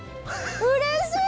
うれしい！